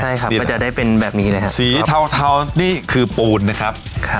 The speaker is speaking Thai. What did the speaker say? ใช่ครับก็จะได้เป็นแบบนี้เลยครับสีเทานี่คือปูนนะครับ